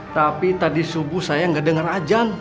tapi tadi subuh saya nggak dengar ajang